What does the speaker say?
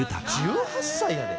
「１８歳やで？